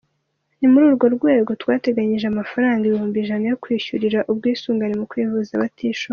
Ni muri urwo rwego twateganyije amafaranga ibihumbi ijana yo kwishyurira ubwisungane mu kwivuza abatishoboye.